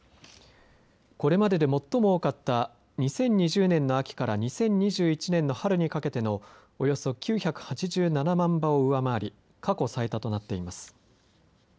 これまでで最も多かった２０２０年の秋から２０２１年の春にかけてのおよそ９８７万羽を上回り過去最多となっています。